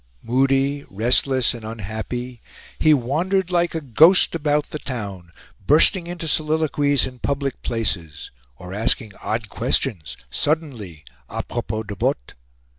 Moody, restless, and unhappy, he wandered like a ghost about the town, bursting into soliloquies in public places, or asking odd questions, suddenly, a propos de bottes.